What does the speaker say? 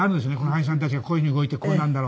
俳優さんたちがこういう風に動いてこうなるだろう。